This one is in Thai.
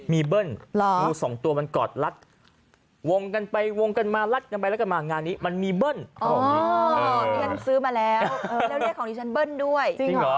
อ๋อนี่ฉันซื้อมาแล้วแล้วเรียกของนี้ฉันเบิ้ลด้วย